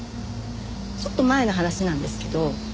ちょっと前の話なんですけど。